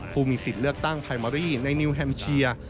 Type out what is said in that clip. ผู้มีสิทธิ์เลือกตั้งไพมอรี่ในนิวแฮมเชีย